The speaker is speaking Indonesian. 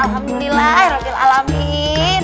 alhamdulillah ya rabbil alamin